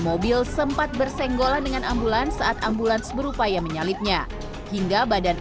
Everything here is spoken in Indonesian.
mobil sempat bersenggolan dengan ambulans saat ambulans berupaya menyalipnya hingga badan